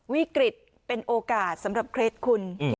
วิกฤตเป็นโอกาสสำหรับเครสคุณ